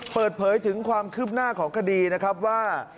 เปิดเผยถึงความคืบหน้าของคดีนะครับว่า